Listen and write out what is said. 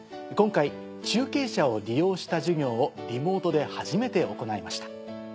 今回中継車を利用した授業をリモートで初めて行いました。